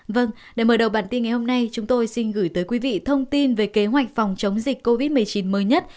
vâng để mở đầu bản tin ngày hôm nay chúng tôi xin gửi tới quý vị thông tin về kế hoạch phòng chống dịch covid một mươi chín mới nhất